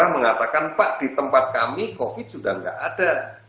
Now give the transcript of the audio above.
mengatakan pak di tempat kami covid sudah tidak ada